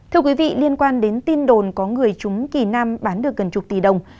thưa quý vị liên quan đến tin đồn có người trúng kỳ nam bán được gần chục tỷ đồng